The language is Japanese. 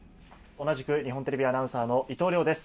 同じく日本テレビアナウンサーの伊藤遼です。